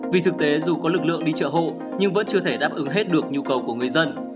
vì thực tế dù có lực lượng đi chợ hộ nhưng vẫn chưa thể đáp ứng hết được nhu cầu của người dân